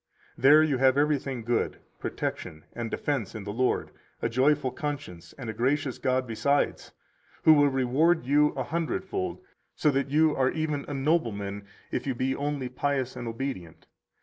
148 There you have everything good, protection and defense in the Lord, a joyful conscience and a gracious God besides, who will reward you a hundredfold, so that you are even a nobleman if you be only pious and obedient.